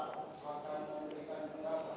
akan memberikan pendapat